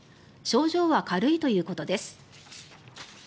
症状は軽いということです。